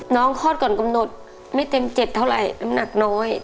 น้องคลอดก่อนกำหนดไม่เต็มเจ็ดเท่าไรลำหนักน้อย